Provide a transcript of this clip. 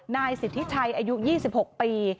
นายสิทธิชัยอายุ๒๖ปี